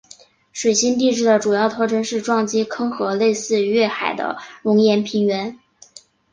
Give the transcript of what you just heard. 水星地质的主要特征是撞击坑和类似月海的熔岩平原。